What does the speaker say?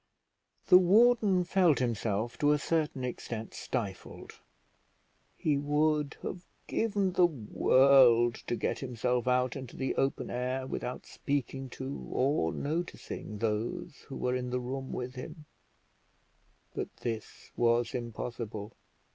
The warden felt himself, to a certain extent, stifled; he would have given the world to get himself out into the open air without speaking to, or noticing those who were in the room with him; but this was impossible.